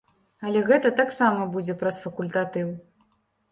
Але гэта таксама будзе праз факультатыў.